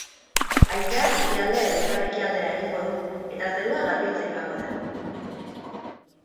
Haizeak ekialde edo ipar-ekialdera egingo du eta zerua garbitzen joango da.